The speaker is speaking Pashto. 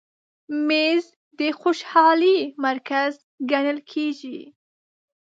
مېز د خوشحالۍ مرکز ګڼل کېږي.